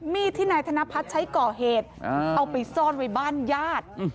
มีดที่นายธนพัฒน์ใช้ก่อเหตุเอาไปซ่อนไว้บ้านญาติ